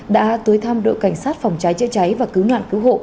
đã tới thăm đội cảnh sát phòng cháy chữa cháy và cứu nạn cứu hộ